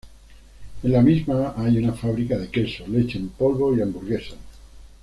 En la misma hay una fábrica de queso, leche en polvo y hamburguesas.